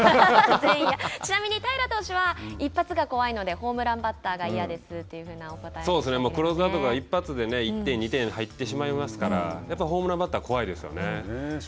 ちなみに平良投手は一発が怖いのでホームランバッターが嫌ですというふうなそうですね、クローザーとか一発で１点２点が入ってしまいますからやっぱりホームランバッターは怖いですよね。